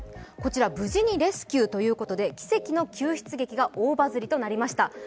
無事にレスキューということで奇跡の救出劇がバズりました。